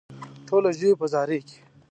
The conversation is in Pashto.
ټوله ژوي په زاري کې.